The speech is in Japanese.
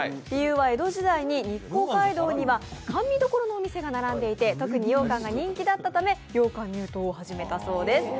理由は江戸時代に日光街道には甘味どころのお店が並んでいて、特にようかんが人気だったためようかん入刀を始めたそうです。